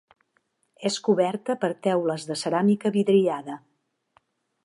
És coberta per teules de ceràmica vidriada.